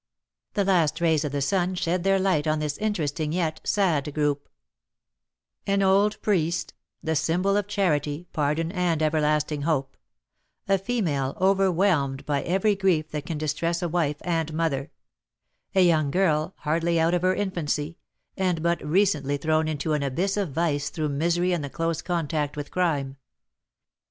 The last rays of the sun shed their light on this interesting yet sad group: An old priest, the symbol of charity, pardon, and everlasting hope; a female, overwhelmed by every grief that can distress a wife and mother; a young girl, hardly out of her infancy, and but recently thrown into an abyss of vice through misery and the close contact with crime.